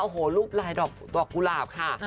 โอ้โหรูปลายดอกกุหลาบค่ะ